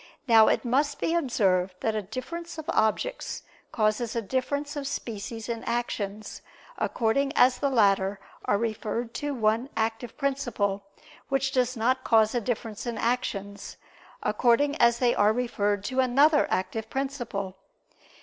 Now, it must be observed that a difference of objects causes a difference of species in actions, according as the latter are referred to one active principle, which does not cause a difference in actions, according as they are referred to another active principle.